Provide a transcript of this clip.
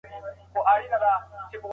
دا غرنۍ سیمه تر دښتې ډېره سړه او نمناکه ده.